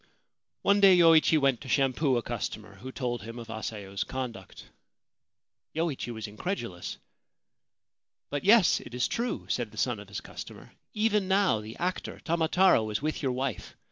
One day Yoichi went to shampoo a customer, who told him of Asayo's conduct. Yoichi was incredulous. ' But yes : it is true/ said the son of his customer. 'Even now the actor Tamataro is with your wife.